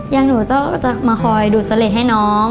อย่างหนูจะมาคอยดูดเสล่ให้น้อง